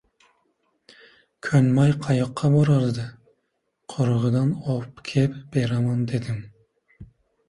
Ko‘nmay qayoqqa borardi. «Qurug‘i»dan obkeb beraman, dedim.